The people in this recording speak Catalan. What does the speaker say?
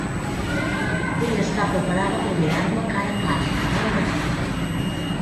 Vull estar preparada per mirar-me cara a cara, a veure què.